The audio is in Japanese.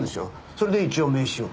それで一応名刺を。